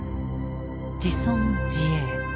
「自存自衛」。